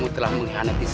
telah menyerang kemos